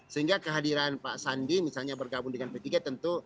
sehingga kehadiran pak sandi misalnya bergabung dengan p tiga tentu